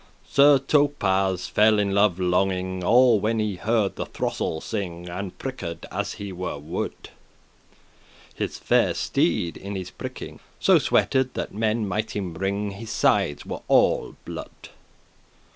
Sir Thopas fell in love longing All when he heard the throstle sing, And *prick'd as he were wood;* *rode as if he His faire steed in his pricking were mad* So sweated, that men might him wring, His sides were all blood.